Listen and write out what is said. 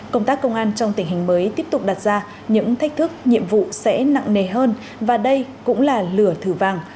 công tác công an trong tình hình mới tiếp tục đặt ra những thách thức nhiệm vụ sẽ nặng nề hơn và đây cũng là lửa thử vàng